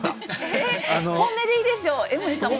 本音でいいですよ江守さんも。